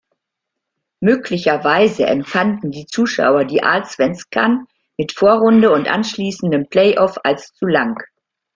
Möglicherweise empfanden die Zuschauer die Allsvenskan mit Vorrunde und anschließendem Play-off als zu lang.